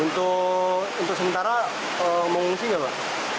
untuk sementara mengungsi nggak pak